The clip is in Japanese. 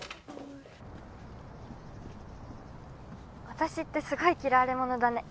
私ってすごい嫌われ者だね